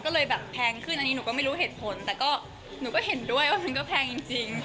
ก็เลยแบบแพงขึ้นอันนี้หนูก็ไม่รู้เหตุผลแต่ก็หนูก็เห็นด้วยว่ามันก็แพงจริง